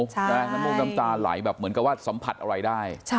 น้ำมูกน้ำตาไหลแบบเหมือนกับว่าสัมผัสอะไรได้